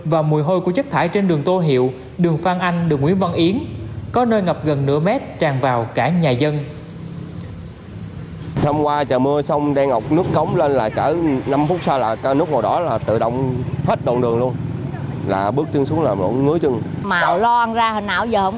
và mùi hôi của chất thải trên đường tô hiệu đường phan anh đường nguyễn văn yến